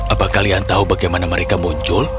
apa kalian tahu bagaimana mereka muncul